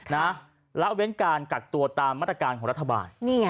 นะครับแล้วเว้นการกัดตัวตามมาตรการรัฐบาล